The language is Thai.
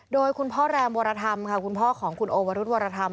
โดยคุณพ่อแรมวรธรรมค่ะคุณพ่อของคุณโอวรุธวรธรรม